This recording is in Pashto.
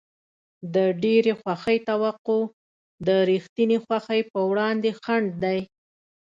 د ډېرې خوښۍ توقع د رښتینې خوښۍ په وړاندې خنډ دی.